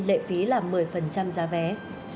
lệ phí là một mươi giá vé